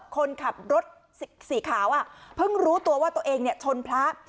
คนขับรถสีขาวเพิ่งรู้ตัวว่าตัวเองชนพระ